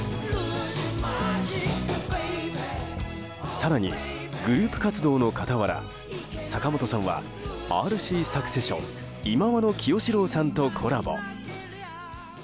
更にグループ活動の傍ら坂本さんはＲＣサクセション忌野清志郎さんとコラボ。